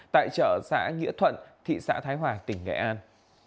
tại chợ xã nghĩa thuận thị xã thái hòa tỉnh nghệ an